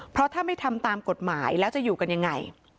เพราะถ้าไม่ทำตามกฎหมายแล้วจะอยู่กันยังไง